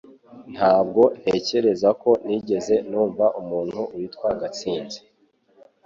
Ntabwo ntekereza ko nigeze numva umuntu witwa Gatsinzi